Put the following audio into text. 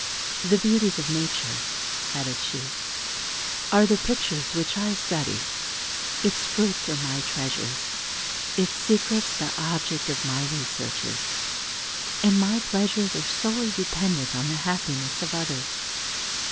"The beauties of nature," added she, "are the pictures which I study; its fruits are my treasures; its secrets the object of my researches, and my pleasures are solely dependent on the happiness of others.